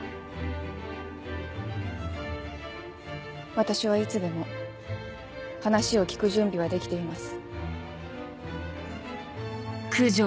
私はいつでも話を聞く準備はできています。